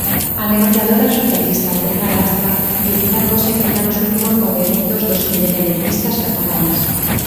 A negociadora socialista, Adriana Lastra, evitaba hoxe emendar os últimos movementos dos independentistas cataláns.